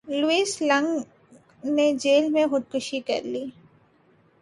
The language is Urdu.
لوئیس لنگ نے جیل میں خود کشی کر لی